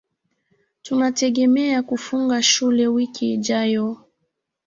Tunategemea kufunga Shule wiki ijayo.